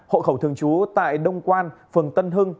hộ khẩu thường trú tại đông quan phường tân hưng